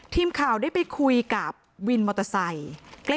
ทีมข่าวได้ไปคุยกับวินมอเตอร์ไซค์